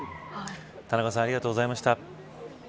田中さんありがとうございました。